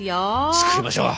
作りましょう。